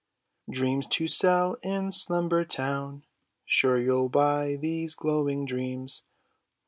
" Dreams to sell in Slumber town ! Sure you'll buy these glowing dreams